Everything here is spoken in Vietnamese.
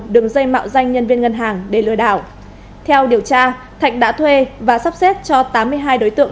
đường dây mạo dây ngân hàng để lừa đảo theo điều tra thạch đã thuê và sắp xếp cho tám mươi hai đối tượng